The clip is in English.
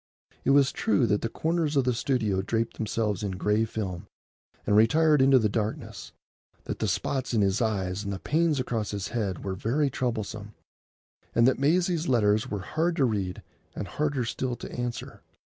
It was true that the corners of the studio draped themselves in gray film and retired into the darkness, that the spots in his eyes and the pains across his head were very troublesome, and that Maisie's letters were hard to read and harder still to answer.